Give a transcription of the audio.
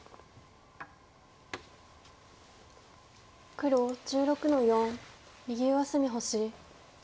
黒１６の四右上隅星。